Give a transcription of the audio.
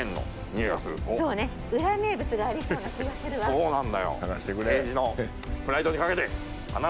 そうなんだよ。